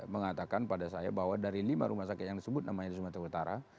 mengatakan pada saya bahwa dari lima rumah sakit yang disebut namanya di sumatera utara